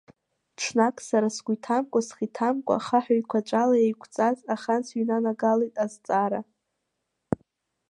Ҽнак сара, сгәы иҭамкәа, схы иҭамкәа хаҳә еиқәаҵәала еиқәҵаз ахан сыҩнанагалеит Азҵаара.